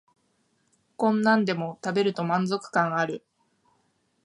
こんなんでも食べると満足感ある